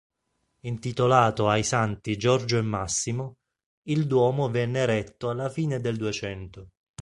Intitolato ai santi Giorgio e Massimo, il Duomo venne eretto alla fine del Duecento.